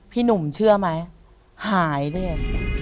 พี่หนุ่มเชื่อไหมหายเลย